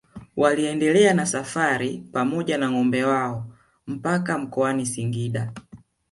Waliendelea na safari pamoja na ngombe wao mpaka mkoani Singida